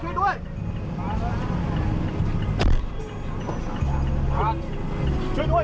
ด้วยช่วยด้วย